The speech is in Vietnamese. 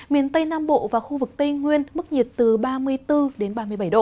miền tây nam bộ và khu vực tây nguyên mức nhiệt từ ba mươi bốn đến ba mươi bảy độ